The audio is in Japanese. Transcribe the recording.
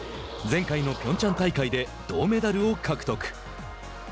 前回のピョンチャン大会で銅メダルを獲得。